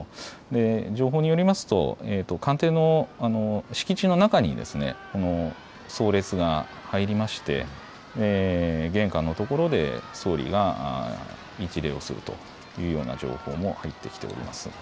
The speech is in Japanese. で、情報によりますと官邸の敷地の中に葬列が入りまして玄関のところで総理が一礼をするというような情報も入ってきています。